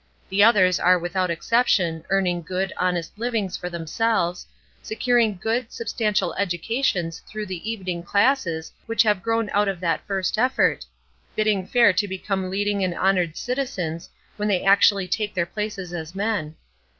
The others are without exception earning good, honest livings for themselves; securing good, substantial educations through the evening classes which have grown out of that first effort; bidding fair to become leading and honored citizens when they actually take their places as men.